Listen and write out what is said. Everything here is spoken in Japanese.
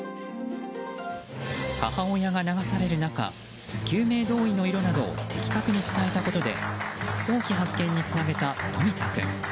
母親が流される中救命胴衣の色などを的確に伝えたことで早期発見につなげた冨田君。